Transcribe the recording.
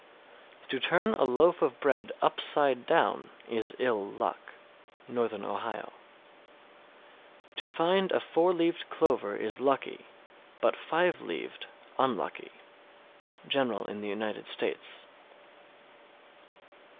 698. To turn a loaf of bread upside down is ill luck. Northern Ohio. 699. To find a four leaved clover is lucky; but five leaved, unlucky. _General in the United States.